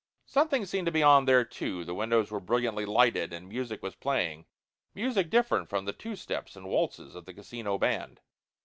Something seemed to be on there, too. The windows were brilliantly lighted, and music was playing music different from the two steps and waltzes of the casino band.